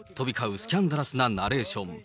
スキャンダラスなナレーション。